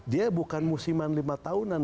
dia bukan musiman lima tahunan